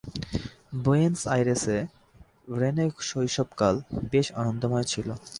Buenos আইরেসে Rene শৈশব কাল বেশ আনন্দময় ছিল।